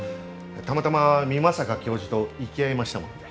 たまたま美作教授と行き合いましたもので。